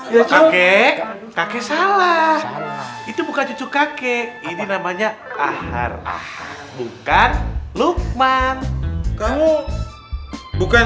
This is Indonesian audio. ya kakek kakek salah itu bukan cucu kakek ini namanya ahar bukan lukmanku bukan